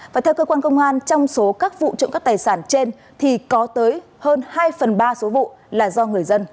và theo cơ quan công an trong số các vụ trộm cắp tài sản trên thì có tới hơn hai phần ba số vụ là do người dân